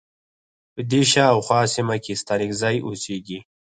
په دې شا او خواه سیمه کې ستانکزی اوسیږی.